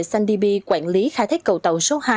sandibi quản lý khai thác cầu tàu số hai